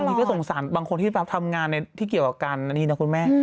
บางทีก็สงสารบางคนทำงานที่เกี่ยวกับการนี้น้ะคุณแม่